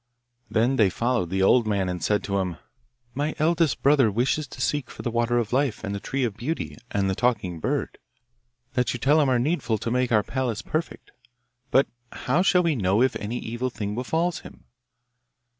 Then they followed the old man, and said to him, 'My eldest brother wishes to seek for the water of life, and the tree of beauty, and the talking bird, that you tell him are needful to make our palace perfect. But how shall we know if any evil thing befall him?